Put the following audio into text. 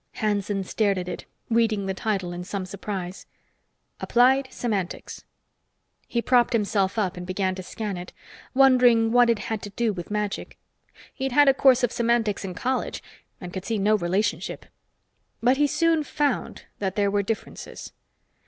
Hanson stared at it, reading the title in some surprise. Applied Semantics. He propped himself up and began to scan it, wondering what it had to do with magic. He'd had a course of semantics in college and could see no relationship. But he soon found that there were differences.